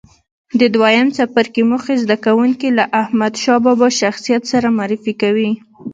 د دویم څپرکي موخې زده کوونکي له احمدشاه بابا شخصیت سره معرفي کوي.